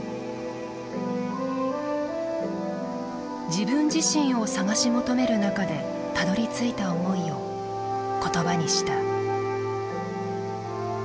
自分自身を探し求める中でたどりついた思いを言葉にした。